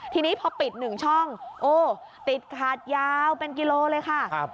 ทีนี้พอปิดหนึ่งช่องติดขาดยาวเป็นกิโลกรัมเลย